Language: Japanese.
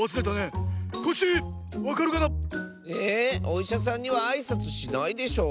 おいしゃさんにはあいさつしないでしょ？